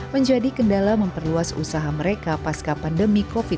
menjadi kendala memperluas usaha mereka pasca pandemi covid sembilan belas